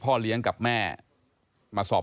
พ่อทำบ่อยไหมครับ